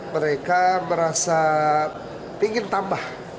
mereka merasa ingin tambah